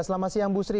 selamat siang bu sri